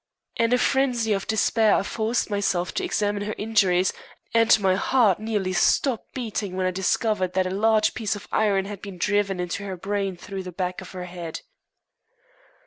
In a frenzy of despair, I forced myself to examine her injuries, and my heart nearly stopped beating when I discovered that a large piece of iron had been driven into her brain through the back of her head.